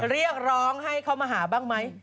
เรียกร้องให้เขามาหาบ้างไหม